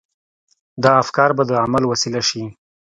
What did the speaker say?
دا افکار به د عمل وسيله شي.